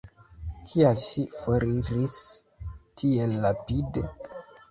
Kial ŝi foriris tiel rapide?